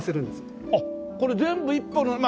あっこれ全部１本のまあ